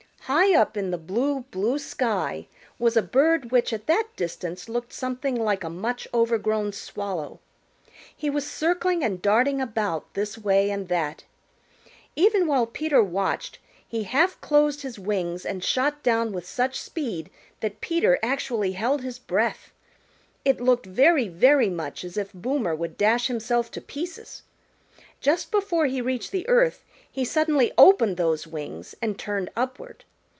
High up in the blue, blue sky was a bird which at that distance looked something like a much overgrown Swallow. He was circling and darting about this way and that. Even while Peter watched he half closed his wings and shot down with such speed that Peter actually held his breath. It looked very, very much as if Boomer would dash himself to pieces. Just before he reached the earth he suddenly opened those wings and turned upward.